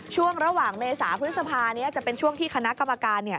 ช่วงระหว่างเมษาพฤษภานี้จะเป็นช่วงที่คณะกรรมการ